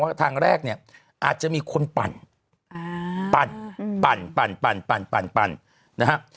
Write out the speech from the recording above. ทางแรกเนี่ยอาจจะมีคนปั่นปั่นนะฮะ